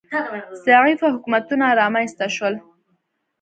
ضعیفه حکومتونه رامنځ ته شول